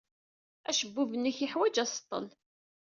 Acebbub-nnek yeḥwaj aseḍḍel.